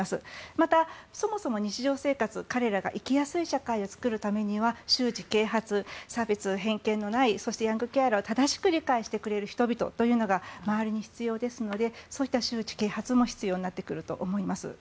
また、そもそも日常生活彼らが生きやすい社会を作るためには周知啓発差別、偏見のないそしてヤングケアラーを正しく理解してくる人も周りに必要ですので周知、啓発も必要になってくると思います。